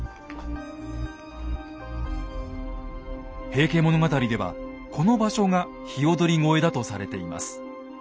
「平家物語」ではこの場所が鵯越だとされています。